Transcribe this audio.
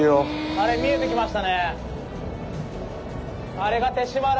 あれ見えてきましたね。